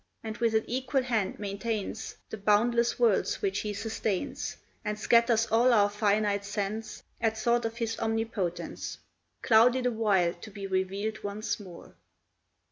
And with an equal hand maintains The boundless worlds which He sustains, And scatters all our finite sense At thought of His omnipotence, Clouded awhile, to be revealed once more.